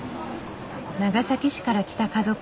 長崎市から来た家族。